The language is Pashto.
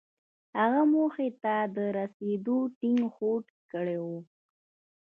هغه موخې ته د رسېدو ټينګ هوډ کړی و.